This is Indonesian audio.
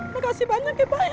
makasih banyak ya pak